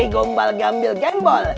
kikombal gambol gembol